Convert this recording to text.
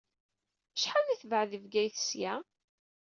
Acḥal ay tebɛed Bgayet seg-a?